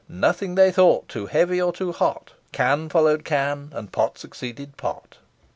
Nothing they thought too heavy or too hot, Can follow'd can, and pot succeeded pot."